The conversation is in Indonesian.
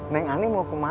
neng ani mau ke mana